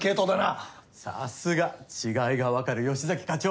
あっさすが違いがわかる吉崎課長。